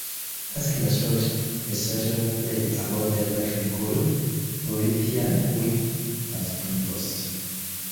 Aeschylus wrote a satyr play about the abduction called "Orithyia" which has been lost.